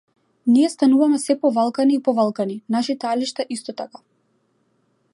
Ние стануваме сѐ повалкани и повалкани, нашите алишта исто така.